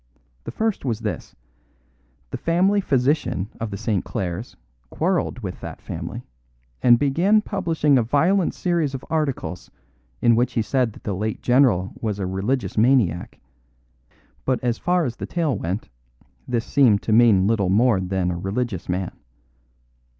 The first was this. The family physician of the St. Clares quarrelled with that family, and began publishing a violent series of articles, in which he said that the late general was a religious maniac; but as far as the tale went, this seemed to mean little more than a religious man.